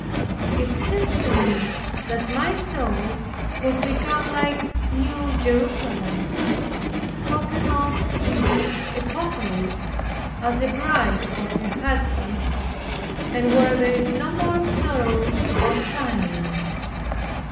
It seemed to me that my soul was become like New Jerusalem, spoken of in the Apocalypse, prepared as a bride for her husband and where there is no more sorrow, or sighing.